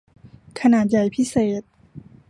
ขนาดใหญ่พิเศษ